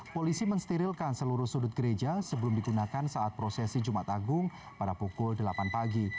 polisi mensterilkan seluruh sudut gereja sebelum digunakan saat prosesi jumat agung pada pukul delapan pagi